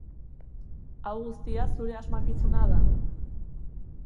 Hau guztia zure asmakizuna da.